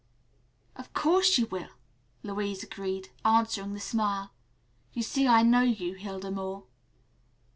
"Of course you will," Louise agreed, answering the smile. "You see I know you, Hilda Moore."